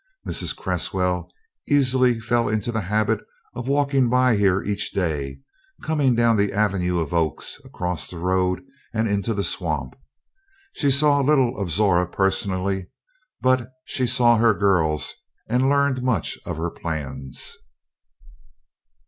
Mrs. Cresswell easily fell into the habit of walking by here each day, coming down the avenue of oaks across the road and into the swamp. She saw little of Zora personally but she saw her girls and learned much of her plans.